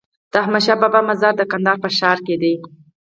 د احمدشاهبابا مزار د کندهار په ښار کی دی